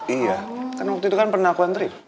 iya kan waktu itu kan pernah aku antri